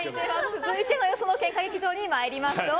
続いてのよその喧嘩劇場に参りましょう。